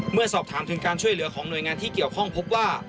เมื่อสอบถามถึงการช่วยเหลือของหน่วยงานที่เกี่ยวข้องพบว่า